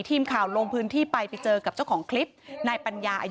ทีมข่าวลงพื้นที่ไปไปเจอกับเจ้าของคลิป